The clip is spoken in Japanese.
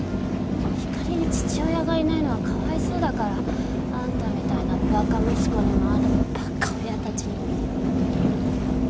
光に父親がいないのはかわいそうだからあんたみたいなバカ息子にもあのバカ親たちにも